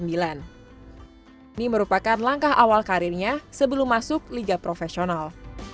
ini merupakan langkah awal karirnya sebelum masuk liga profesional